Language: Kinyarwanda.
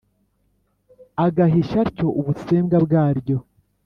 agahisha atyo ubusembwa bwaryo.